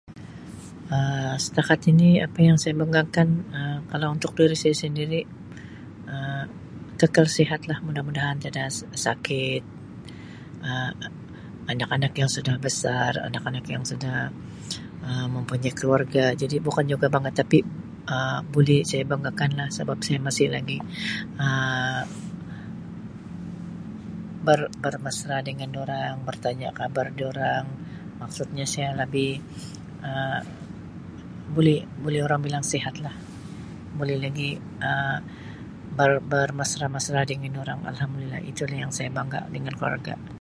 Um Setakat ini apa yang saya banggakan Um kalau untuk diri saya sendiri Um kekal sihatlah mudah-mudahan tiada tiada sakit Um anak-anak yang sudah besar Um anak-anak yang sudah Um mempunyai keluarga jadi bukan juga bangga tapi Um buli saya banggakan lah sabab saya masih lagi Um ber-bermesra dengan dorang bertanya khabar dorang maksudnya saya labih Um buli-buli orang bilang sihatlah buli lagi Um ber-bermesra-mesra dengan dorang Alhamdulillah itu lah yang saya bangga dengan keluarga.